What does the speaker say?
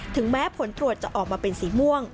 ถึงแม้ผลตรวจจะออกมาเป็นสีม่วง